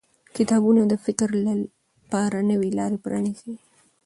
کتابونه د فکر لپاره نوې لارې پرانیزي